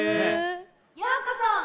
・ようこそ！